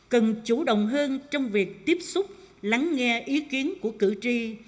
cần chủ động hơn trong việc tiếp xúc lắng nghe ý kiến của cử tri